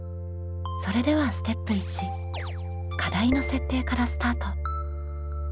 それではステップ１課題の設定からスタート。